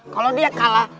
kalo dia kalah